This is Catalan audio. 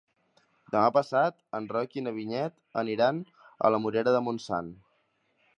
Demà passat en Roc i na Vinyet aniran a la Morera de Montsant.